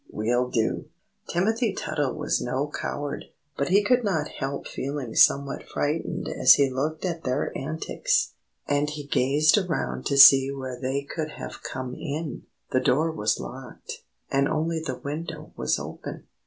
We'll do!" Timothy Tuttle was no coward, but he could not help feeling somewhat frightened as he looked at their antics; and he gazed around to see where they could have come in. The door was locked, and only the window was open.